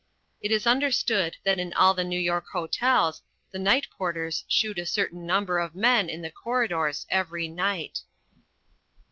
It is understood that in all the New York hotels the night porters shoot a certain number of men in the corridors every night.